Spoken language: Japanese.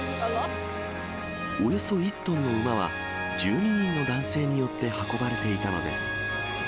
およそ１トンの馬は、１２人の男性によって運ばれていたのです。